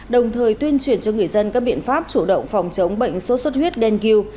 đồng thời tuyên truyền cho người dân các biện pháp chủ động phòng chống bệnh sốt xuất huyết đen ku